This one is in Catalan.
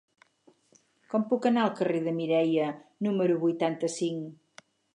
Com puc anar al carrer de Mireia número vuitanta-cinc?